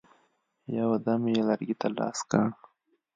یو دم یې لرګي ته لاس کړ.